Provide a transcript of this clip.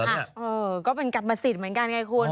เออก็เป็นกรรมสิทธิ์เหมือนกันไงคุณ